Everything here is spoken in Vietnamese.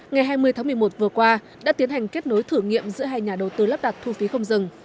ngày hai mươi tháng một mươi một vừa qua đã tiến hành kết nối thử nghiệm giữa hai nhà đầu tư lắp đặt thu phí không dừng